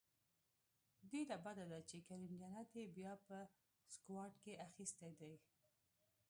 ډیره بده ده چې کریم جنت یې بیا په سکواډ کې اخیستی دی